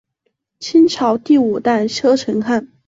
清朝第五代车臣汗。